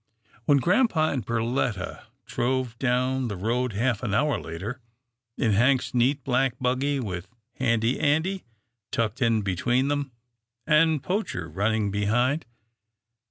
When grampa and Perletta drove down the road half an hour later, in Hank's neat black buggy, with Handy Andy tucked in between them, and Poacher running behind.